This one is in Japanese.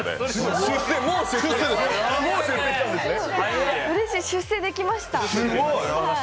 うれしい、出世できました。